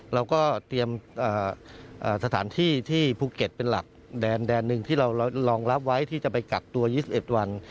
เราก็เตรียมสถานที่ที่ภูเก็ตเป็นหลักแดนหนึ่งที่เรารองรับไว้ที่จะไปกักตัว๒๑วัน